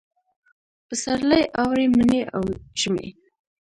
پسرلي، اوړي، مني او ژمي